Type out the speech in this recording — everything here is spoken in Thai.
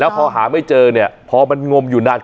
แล้วก็ไปซ่อนไว้ในคานหลังคาของโรงรถอีกทีนึง